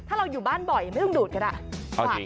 ถ้าเราอยู่บ้านบ่อยไม่ต้องดูดก็ได้